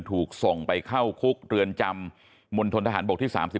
ถูกส่งไปเข้าคุกเรือนจำมณฑนทหารบกที่๓๔